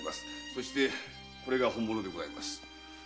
そしてこれが本物でございます。